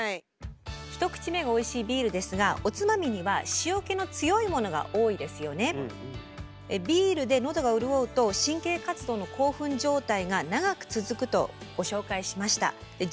１口目がおいしいビールですがビールでのどが潤うと神経活動の興奮状態が長く続くとご紹介しました。